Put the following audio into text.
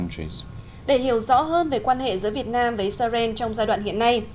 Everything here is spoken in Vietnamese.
để hiểu rõ hơn về quan hệ giữa việt nam với israel trong giai đoạn hiện nay